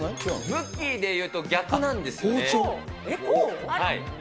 向きでいうと逆なんですよね。